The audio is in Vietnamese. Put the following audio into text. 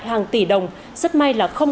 hàng tỷ đồng rất may là không